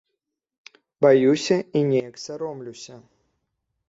Баюся і неяк саромлюся.